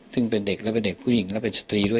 ซึ่งเป็นเด็กและเป็นเด็กผู้หญิงและเป็นสตรีด้วย